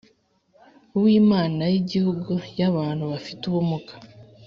Uw inama y igihugu y abantu bafite ubumuga